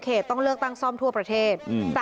ต้องเลือกตั้งซ่อมทั่วประเทศ